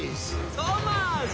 トーマス！